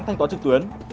thanh toán trực tuyến